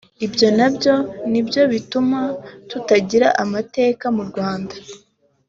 ibyo nabyo nibyo bituma tutagira amateka mu Rwanda